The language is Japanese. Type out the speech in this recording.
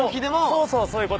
そうそうそういうこと。